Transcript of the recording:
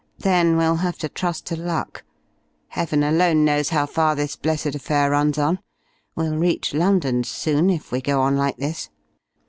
Then we'll have to trust to luck. Heaven alone knows how far this blessed affair runs on. We'll reach London soon, if we go on like this!"